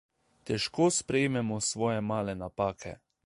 Težko sprejmemo svoje male napake.